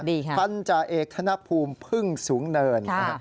ดีค่ะค่ะค่ะค่ะค่ะค่ะค่ะค่ะค่ะค่ะค่ะค่ะค่ะค่ะ